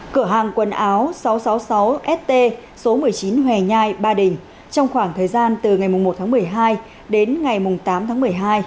cửa hàng quần áo sáu trăm sáu mươi sáu st số một mươi chín hòe nhai ba đình trong khoảng thời gian từ ngày một tháng một mươi hai đến ngày tám tháng một mươi hai